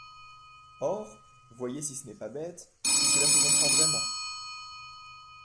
Or, voyez si ce n’est pas bête, Si cela se comprend vraiment.